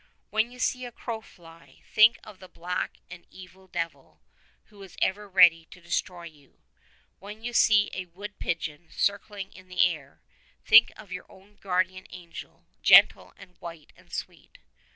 "When you see a crow fly, think of the black and evil devil who is ever ready to destroy you. When you see a wood pigeon circling in the air, think of your own guardian angel, gentle and white and sweet.